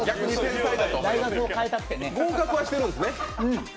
合格はしてるんですね。